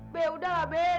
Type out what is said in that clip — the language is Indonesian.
beh udahlah beh